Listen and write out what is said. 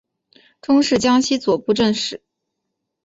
终仕江西左布政使。